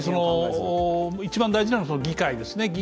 一番大事なのは議会ですね。